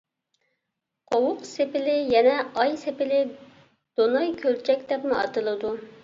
قوۋۇق سېپىلى يەنە ئاي سېپىلى، دوناي كۆلچەك دەپمۇ ئاتىلىدۇ.